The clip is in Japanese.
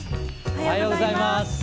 おはようございます。